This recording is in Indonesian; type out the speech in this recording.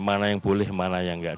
mana yang boleh mana yang tidak